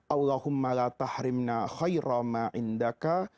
allahumma la tahrimna khaira ma'indaka